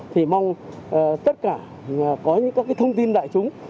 thì mong tất cả có những các thông tin đại chúng